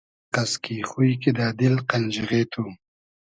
ایقئس کی خوی کیدۂ دیل قئنخیغې تو